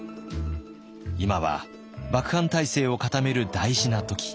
「今は幕藩体制を固める大事な時。